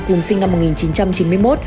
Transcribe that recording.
cùng sinh năm một nghìn chín trăm chín mươi một